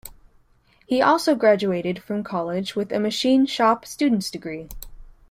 He also graduated from college with a machine shop student's degree.